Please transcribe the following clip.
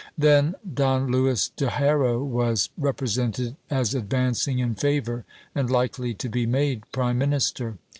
Then Don Lewis de Haro was represented as advancing in favour, and likely to be made prime minister.